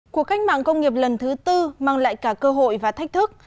cuộc cách mạng công nghiệp lần thứ tư mang lại cả cơ hội và thách thức